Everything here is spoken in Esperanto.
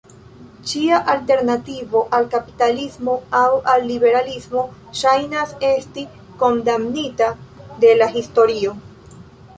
Ĉia alternativo al kapitalismo aŭ al liberalismo ŝajnas esti kondamnita de la historio.